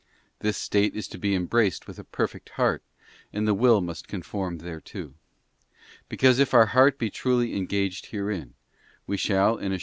This state is to be embraced with a perfect heart, and the will must conform thereto. Because if our heart be truly engaged herein, we shall in a short time VOL. I. E 3. Thought.